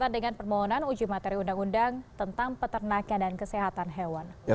dengan permohonan uji materi undang undang tentang peternakan dan kesehatan hewan